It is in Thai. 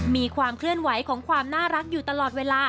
มีความเคลื่อนไหวของความน่ารักอยู่ตลอดเวลา